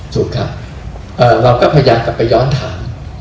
ถูกครับเราก็พยายามจะไปย้อนถาม